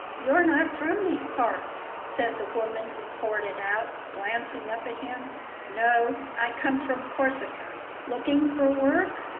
"You're not from these parts," said the woman who poured it out, glancing up at him. "No. I come from Corsica." "Looking for work?"